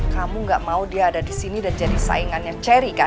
kamu gak mau dia ada di sini dan jadi saingannya cherry kan